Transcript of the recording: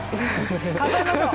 数えましょう！